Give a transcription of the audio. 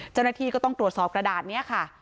เจ้าหน้าที่ก็ต้องตรวจสอบกระดาษนี้ค่ะ